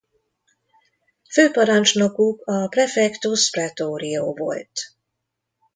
Főparancsnokuk a praefectus praetorio volt.